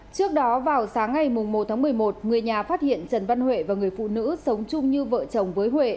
trước đó vào sáng ngày một một mươi một người nhà phát hiện trần văn huệ và người phụ nữ sống chung như vợ chồng với huệ